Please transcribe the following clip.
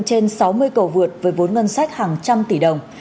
trên sáu mươi cầu vượt với vốn ngân sách hàng trăm tỷ đồng